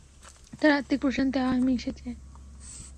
তার আত্মিক প্রশান্তি হাওয়ায় মিশে যায়।